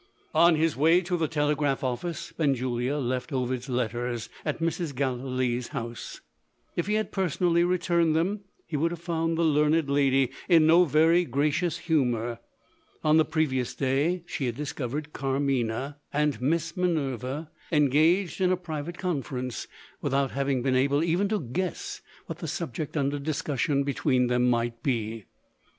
On his way to the telegraph office, Benjulia left Ovid's letters at Mrs. Gallilee's house. If he had personally returned them, he would have found the learned lady in no very gracious humour. On the previous day she had discovered Carmina and Miss Minerva engaged in a private conference without having been able even to guess what the subject under discussion between them might be.